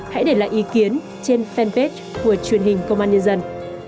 hãy để lại ý kiến trên fanpage của truyền hình công an nhân dân